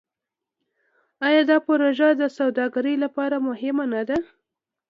آیا دا پروژه د سوداګرۍ لپاره مهمه نه ده؟